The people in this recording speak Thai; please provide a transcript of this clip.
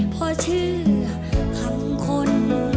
เพราะเชื่อคำคน